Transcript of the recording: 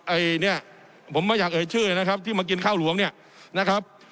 ไอ้เนี่ยผมไม่อยากเอ่ยชื่อนะครับที่มากินข้าวหลวงเนี่ยนะครับ